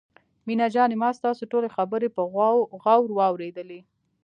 مينه جانې ما ستاسو ټولې خبرې په غور واورېدلې.